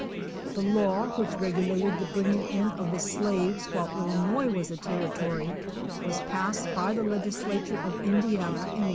The law which regulated the bringing in of the slaves while Illinois was a territory was passed by the legislature of Indiana in 1805.